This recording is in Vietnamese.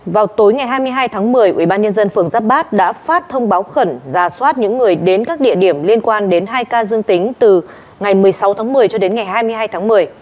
vào tối ngày hai mươi hai tháng một mươi ubnd phường giáp bát đã phát thông báo khẩn giả soát những người đến các địa điểm liên quan đến hai ca dương tính từ ngày một mươi sáu tháng một mươi cho đến ngày hai mươi hai tháng một mươi